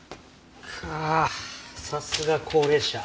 はあさすが高齢者。